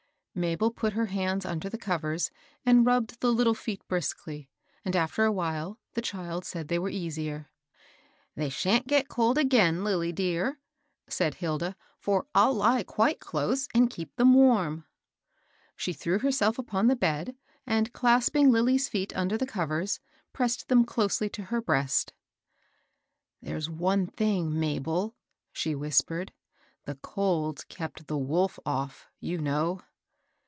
Mabel put her hands under the covers, and rubbed the Utile feet briskly, and after a while the child said they were easier. They shan't get cold again, Lilly dear,'* said Hilda ;^^ for I'll lie quite close and keep them \ THE WOLF AT THB DOOR. 893 She threw herself upon the bed, and, claspmg Lilly^s feet under the covers, pressed them closely to her breast. *' There's one thmg, Mabel," she whispered, " the cold's kept the wolf off^ — you know.'